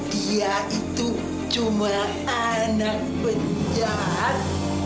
dia itu cuma anak penjar